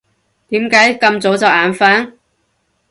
點解咁早就眼瞓？